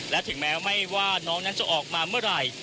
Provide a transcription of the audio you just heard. และถึงแม้ไม่ว่าน้องนั้นจะออกมาเมื่อไหร่